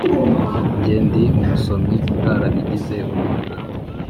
Nge ndi umusomyi utarabigize umwuga